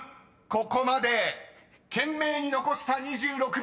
［ここまで懸命に残した２６秒］